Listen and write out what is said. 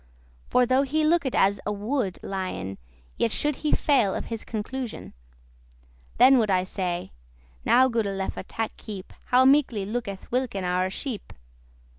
For, though he looked as a wood* lion, *furious Yet should he fail of his conclusion. Then would I say, "Now, goode lefe* tak keep *dear heed How meekly looketh Wilken oure sheep!